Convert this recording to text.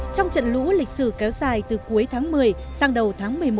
trận lũ lịch sử kéo dài từ cuối tháng một mươi sang đầu tháng một mươi một năm hai nghìn